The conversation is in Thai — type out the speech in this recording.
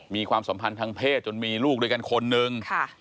ความสัมพันธ์ทางเพศจนมีลูกด้วยกันคนนึง